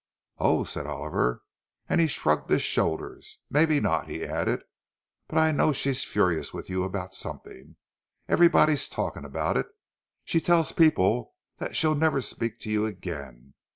"Oh," said Oliver, and he shrugged his shoulders. "Maybe not," he added. "But I know she's furious with you about something—everybody's talking about it. She tells people that she'll never speak to you again.